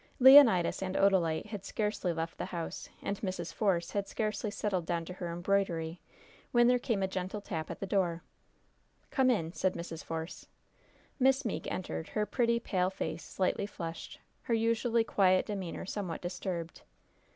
Leonidas and Odalite had scarcely left the house, and Mrs. Force had scarcely settled down to her embroidery, when there came a gentle tap at the door. "Come in," said Mrs. Force. Miss Meeke entered, her pretty, pale face slightly flushed, her usually quiet demeanor somewhat disturbed.